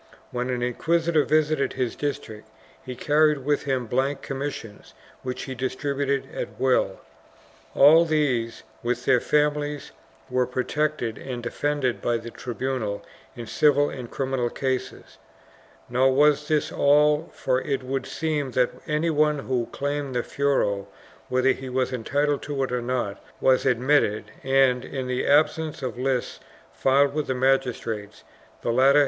When an inquisitor visited his district he carried with him blank commissions which he dis tributed at will. All these, with their families, were protected and defended by the tribunal in civil and criminal cases, nor was this all, for it would seem that any one who claimed the fuero, whether he was entitled to it or not, was admitted and, in the absence of lists filed with the magistrates, the latter had 1 Archive de Simancas, Inquisition, Visitas de Barcelona, Leg.